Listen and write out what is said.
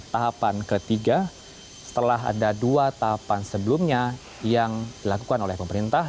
tahapan ketiga setelah ada dua tahapan sebelumnya yang dilakukan oleh pemerintah